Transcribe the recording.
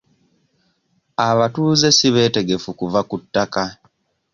Abatuuze si beetegefu kuva ku ttaka.